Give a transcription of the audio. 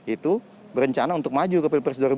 itu berencana untuk maju ke plpr dua ribu empat